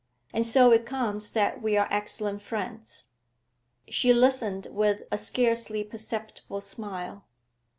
And so it comes that we are excellent friends.' She listened with a scarcely perceptible smile.